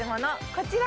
こちら。